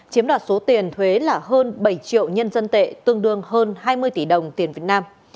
chiếm đoạt số tiền thuế là hơn bảy triệu nhân dân tệ tương đương hơn hai mươi tỷ đồng tiền việt nam